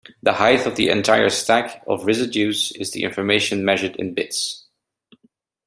The height of the entire stack of residues is the information measured in bits.